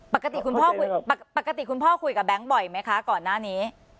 คุณพ่อคุยปกติคุณพ่อคุยกับแบงค์บ่อยไหมคะก่อนหน้านี้